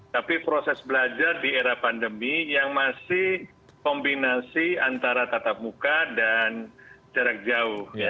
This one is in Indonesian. tapi proses belajar di era pandemi yang masih kombinasi antara tatap muka dan jarak jauh